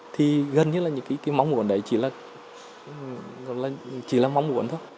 thì gần như là những cái mong muốn đấy chỉ là chỉ là mong muốn thôi